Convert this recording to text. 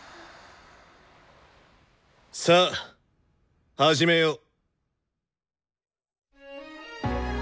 さあ始めよう。